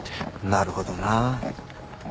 なるほどな。